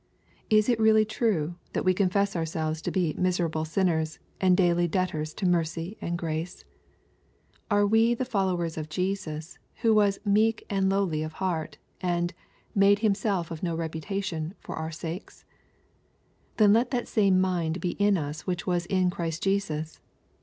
Is it really true that we confess ourselves to be "miserable 328 EXPOSITORY THOUGHTS. sinners/' and daily debtors to mercy and grace ? Are we the followers of Jesus, who was "meek and lowly of heart/' and " made himself of no reputation" for our sakes ? Then let that same mind be in us which was in Christ Jesus.